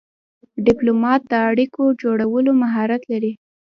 ډيپلومات د اړیکو جوړولو مهارت لري.